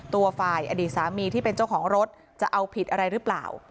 ตัวฝ่ายอดีตสามีที่เป็นเจ้าของรถจะเอาผิดอะไรหรือเปล่า